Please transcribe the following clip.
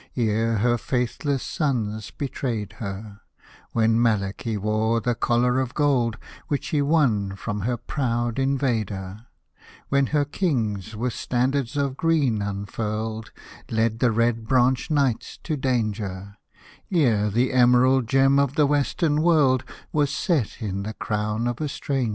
Ere her faithless sons betrayed her ; When Malachi wore the collar of gold, Which he won from her proud invader, When her kings, with standard of green unfurled, Led the Red Branch Knights to danger ; Ere the emerald gem of the western world W^as set in the crown of a stranger.